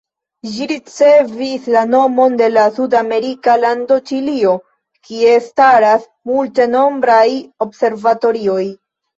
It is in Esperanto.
Ĝi ricevis la nomon de la sud-amerika lando Ĉilio, kie staras multenombraj observatorioj.